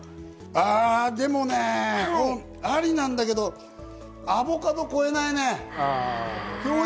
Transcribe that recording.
あぁ、でもね、ありなんだけど、アボカドは超えないね。